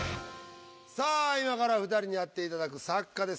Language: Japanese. さあ今から２人にやっていただく作家です。